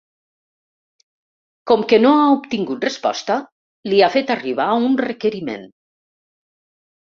Com que no n’ha obtingut resposta, li ha fet arribar un requeriment.